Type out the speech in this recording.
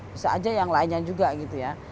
bisa aja yang lainnya juga gitu ya